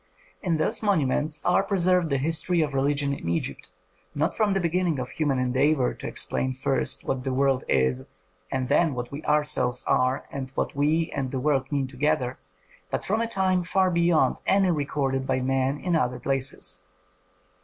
In those monuments are preserved the history of religion in Egypt, not from the beginning of human endeavor to explain first what the world is and then what we ourselves are and what we and the world mean together, but from a time far beyond any recorded by man in other places.